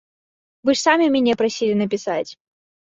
Вы ж самі мяне прасілі напісаць?